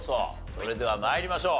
それでは参りましょう。